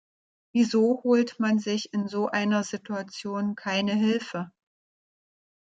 Wieso holt man sich in so einer Situation keine Hilfe?